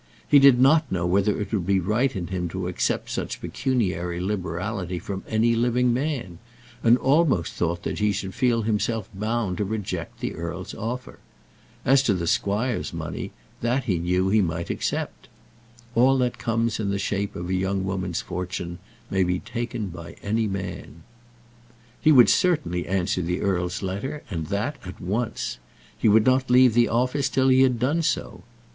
He did not know whether it would be right in him to accept such pecuniary liberality from any living man, and almost thought that he should feel himself bound to reject the earl's offer. As to the squire's money, that he knew he might accept. All that comes in the shape of a young woman's fortune may be taken by any man. He would certainly answer the earl's letter, and that at once. He would not leave the office till he had done so.